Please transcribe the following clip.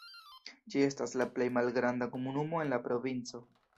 Ĝi estas la plej malgranda komunumo en la provinco.